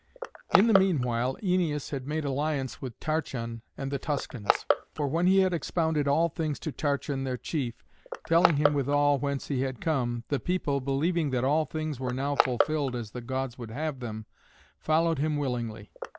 In the meanwhile Æneas had made alliance with Tarchon and the Tuscans. For when he had expounded all things to Tarchon their chief, telling him withal whence he had come, the people, believing that all things were now fulfilled as the Gods would have them, followed him willingly.